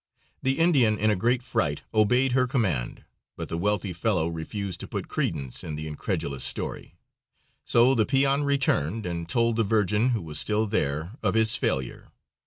The Indian, in a great fright, obeyed her command, but the wealthy fellow refused to put credence in the incredulous story, so the peon returned and told the Virgin, who was still there, of his failure.